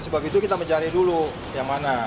sebab itu kita mencari dulu yang mana